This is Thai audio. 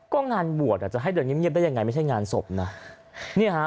ก็งานบวชอ่ะจะให้เดินเงียบได้ยังไงไม่ใช่งานศพนะ